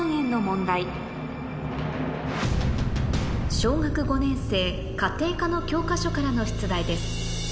小学５年生家庭科の教科書からの出題です